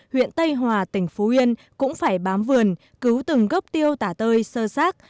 huyện tây hòa tỉnh phú yên cũng phải bám vườn cứu từng gốc tiêu tả tơi sơ sát